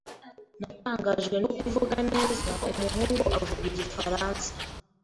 Natangajwe no kuvuga neza umuhungu avuga igifaransa.